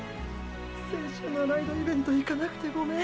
先週のライドイベント行かなくてごめん。